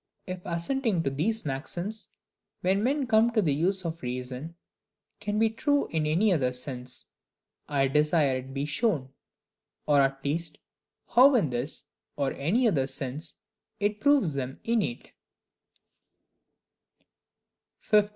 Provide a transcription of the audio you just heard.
If assenting to these maxims, when men come to the use of reason, can be true in any other sense, I desire it may be shown; or at least, how in this, or any other sense, it proves them innate.